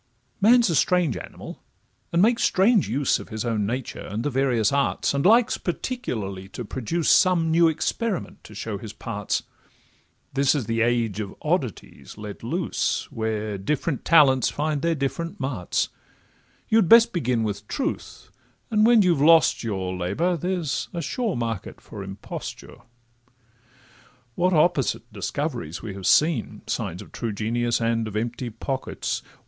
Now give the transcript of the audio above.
Man 's a strange animal, and makes strange use Of his own nature, and the various arts, And likes particularly to produce Some new experiment to show his parts; This is the age of oddities let loose, Where different talents find their different marts; You'd best begin with truth, and when you've lost your Labour, there's a sure market for imposture. What opposite discoveries we have seen! (Signs of true genius, and of empty pockets.)